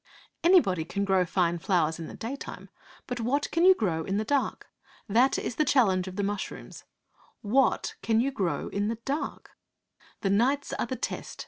Anybody can grow fine flowers in the daytime. But what can you grow in the dark? That is the challenge of the mushrooms what can you grow in the dark? 'The nights are the test!'